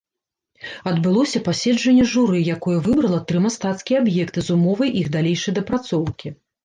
Адбылося паседжанне журы, якое выбрала тры мастацкія аб'екты з умовай іх далейшай дапрацоўкі.